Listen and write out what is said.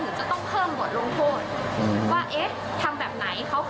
เพราะฉะนั้นเราถึงจะต้องเพิ่มบทลงโพธิ